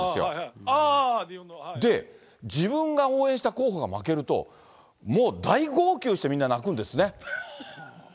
で、自分が応援した候補が負けると、もう大号泣してみんな泣くんですね。